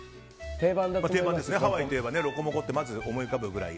ハワイの定番ロコモコってまず思い浮かぶぐらい。